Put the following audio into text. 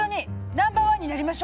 ナンバーワンになりましょ。